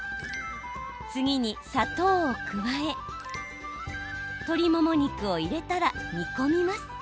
次に砂糖を加え鶏もも肉を入れたら煮込みます。